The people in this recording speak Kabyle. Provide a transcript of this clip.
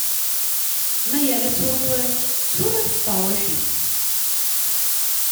Ma yerra-t waggur akin d turart s tarwiḥin.